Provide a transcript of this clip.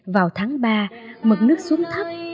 vào tháng ba mực nước xuống thấp